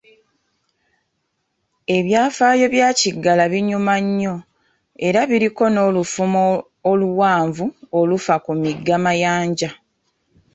Ebyafaayo bya Kiggala binyuma nnyo, era biriko n'olufumo oluwanvu olufa ku Migga Mayanja.